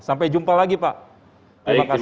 sampai jumpa lagi pak